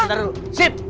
sebentar dulu sip